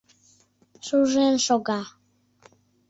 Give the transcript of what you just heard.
Шужен шога.